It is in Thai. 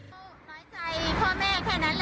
พอดีหนูกำลังจะกลับบ้าน